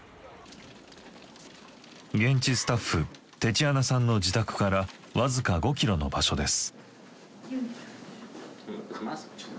現地スタッフテチアナさんの自宅から僅か５キロの場所です。